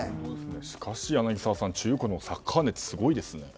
しかし、柳澤さん中国もサッカー熱すごいですね。